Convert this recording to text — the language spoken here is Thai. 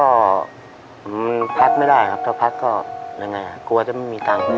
ก็พักไม่ได้ครับถ้าพักก็อะไรไงครับกลัวจะไม่มีเงิน